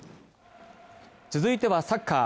続いてはサッカー。